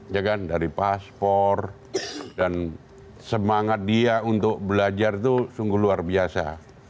ya kan dari paspor dan semangat dia untuk belajar itu sungguh luar biasa